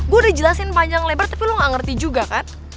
gue udah jelasin panjang lebar tapi lo gak ngerti juga kan